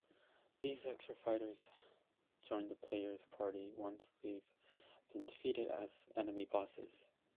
These extra fighters join the player's party once they've been defeated as enemy bosses.